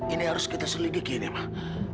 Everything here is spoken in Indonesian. ini harus kita selidikiin ya mak